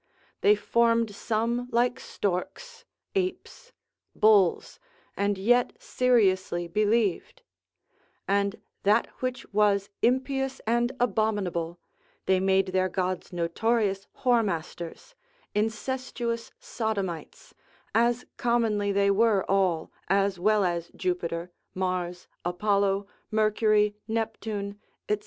They formed some like storks, apes, bulls, and yet seriously believed: and that which was impious and abominable, they made their gods notorious whoremasters, incestuous Sodomites (as commonly they were all, as well as Jupiter, Mars, Apollo, Mercury, Neptune, &c.)